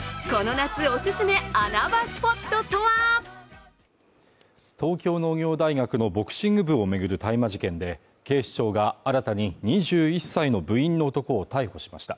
「ビオレ」東京農業大学のボクシング部を巡る大麻事件で警視庁が新たに２１歳の部員の男を逮捕しました